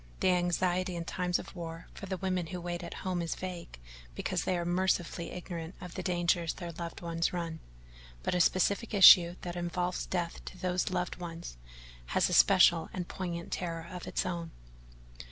The anxiety in times of war for the women who wait at home is vague because they are mercifully ignorant of the dangers their loved ones run, but a specific issue that involves death to those loved ones has a special and poignant terror of its own.